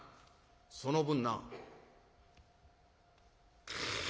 「その分な」。